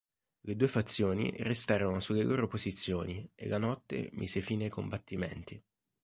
Le due fazioni restarono sulle loro posizioni e la notte mise fine ai combattimenti.